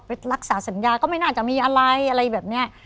รักษาสัญญาก็ไม่น่าจะมีอะไรอะไรแบบนี้